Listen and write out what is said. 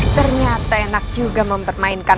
ternyata enak juga mempermainkan